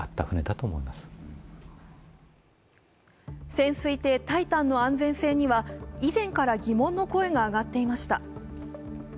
潜水艇「タイタン」の安全性には以前から疑問の声が上がっていました。